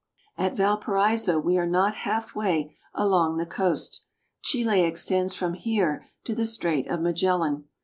At Valparaiso we are not halfway along the coast. Chile extends from here to the Strait of Magellan.